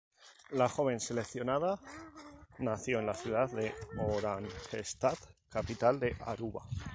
La joven seleccionada nació en la ciudad de Oranjestad, capital de Aruba.